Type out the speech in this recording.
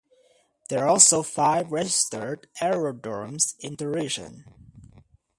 There are also five registered aerodromes in the region.